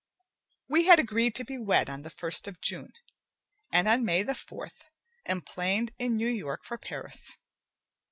We had agreed to be wed on the first of June, and on May the fourth, emplaned in New York for Paris.